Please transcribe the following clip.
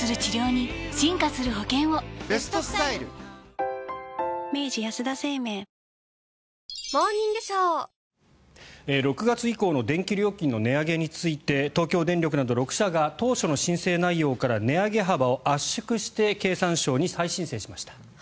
キリン「生茶」６月以降の電気料金の値上げについて東京電力など６社が当初の申請内容から値上げ幅を圧縮して経産省に再申請しました。